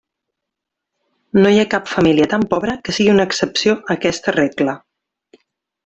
No hi ha cap família tan pobra que sigui una excepció a aquesta regla.